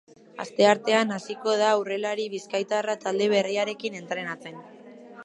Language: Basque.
Asteartean hasiko da aurrelari bizkaitarra talde berriarekin entrenatzen.